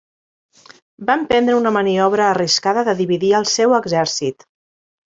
Va emprendre una maniobra arriscada de dividir el seu exèrcit.